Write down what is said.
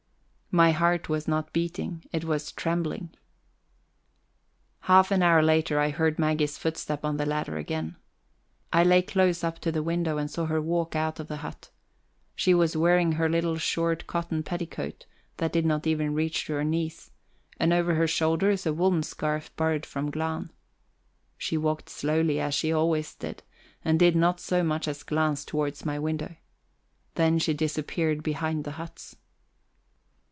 My heart was not beating it was trembling. Half an hour later I heard Maggie's footstep on the ladder again. I lay close up to the window and saw her walk out of the hut. She was wearing her little short cotton petticoat, that did not even reach to her knees, and over her shoulders a woolen scarf borrowed from Glahn. She walked slowly, as she always did, and did not so much as glance towards my window. Then she disappeared behind the huts.